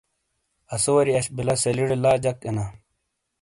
اسو واری اش بِیلہ سیلیڑے لا جک اینا۔